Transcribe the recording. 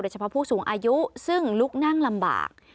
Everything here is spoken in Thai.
เฉพาะผู้สูงอายุซึ่งลุกนั่งลำบาก